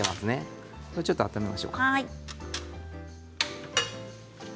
ちょっと温めましょうか。